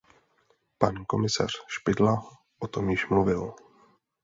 Pan komisař Špidla o tom již mluvil.